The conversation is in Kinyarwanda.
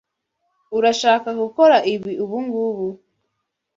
Urashaka gukora ibi ubungubu?